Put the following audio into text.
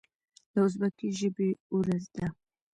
د ازبکي ژبې ورځ ده.